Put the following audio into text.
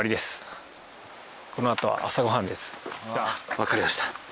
わかりました。